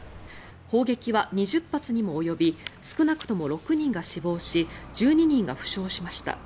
砲撃は２０発にも及び少なくとも６人が死亡し１２人が負傷しました。